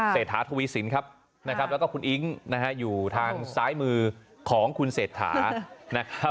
เศรษฐาทวีสินครับนะครับแล้วก็คุณอิ๊งนะฮะอยู่ทางซ้ายมือของคุณเศรษฐานะครับ